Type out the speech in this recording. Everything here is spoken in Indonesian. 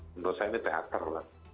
menurut saya ini teater lah